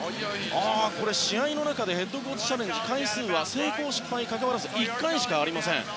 試合の中でヘッドコートチャレンジその回数は成功・失敗にかかわらず１回しかありません。